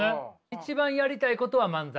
一番やりたいことは漫才？